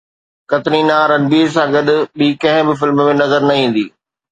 ڪترينا رنبير سان گڏ ٻي ڪنهن به فلم ۾ نظر نه ايندي